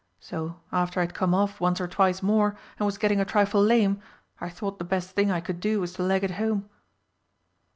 So, after I'd come off once or twice more and was getting a trifle lame, I thought the best thing I could do was to leg it home."